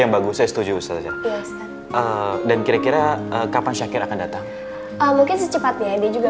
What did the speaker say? yang bagus saya setuju saja dan kira kira kapan syakir akan datang mungkin secepatnya dia juga